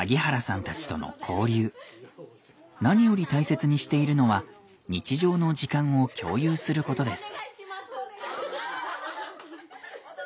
何より大切にしているのは日常の時間を共有することです。